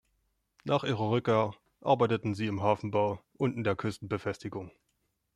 Nach ihrer Rückkehr arbeiteten sie im Hafenbau und in der Küstenbefestigung.